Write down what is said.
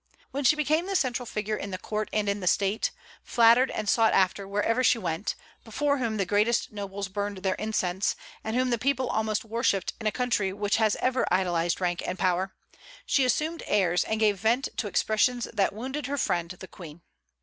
When she became the central figure in the Court and in the State, flattered and sought after wherever she went, before whom the greatest nobles burned their incense, and whom the people almost worshipped in a country which has ever idolized rank and power, she assumed airs and gave vent to expressions that wounded her friend the Queen.